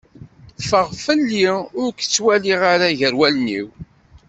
Ffeɣ fell-i ur k-tt waliɣ ara gar wallen-iw.